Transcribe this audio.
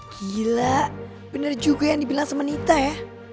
gila benar juga yang dibilang sama nita ya